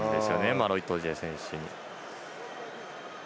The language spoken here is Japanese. マロ・イトジェ選手に。